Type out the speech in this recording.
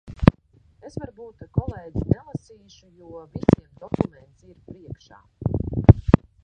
Es varbūt, kolēģi, nelasīšu, jo visiem dokuments ir priekšā.